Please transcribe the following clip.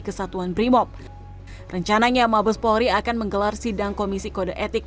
kesatuan brimob rencananya mabes polri akan menggelar sidang komisi kode etik